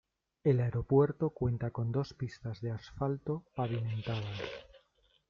El aeropuerto cuenta con dos pistas de asfalto pavimentadas.